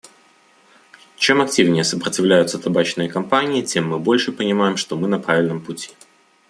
Чем активнее сопротивляются табачные компании, тем мы больше понимаем, что мы на правильном пути.